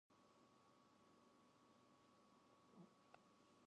She must have been a perpetual enemy.